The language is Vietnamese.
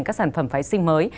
các sản phẩm phái xích mới